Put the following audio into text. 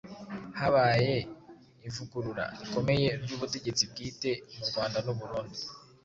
habaye ivugurura rikomeye ry'ubutegetsi bwite mu Rwanda n'u Burundi.